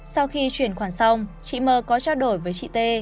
sau khi chuyển khoản xong chị mờ có trao đổi với chị tê